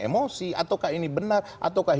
emosi ataukah ini benar ataukah